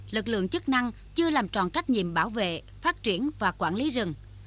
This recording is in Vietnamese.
lực lượng chức năng chưa làm tròn trách nhiệm bảo vệ phát triển và quản lý rừng